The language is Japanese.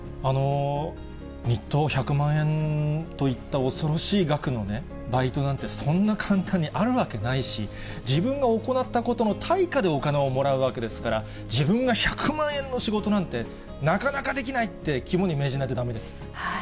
日当１００万円といった恐ろしい額のバイトなんて、そんな簡単にあるわけないし、自分が行ったことの対価でお金をもらうわけですから、自分が１００万円の仕事なんて、なかなかできないって肝に銘じないとだめです。